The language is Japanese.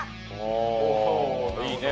あいいね！